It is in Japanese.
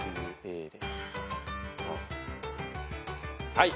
はい。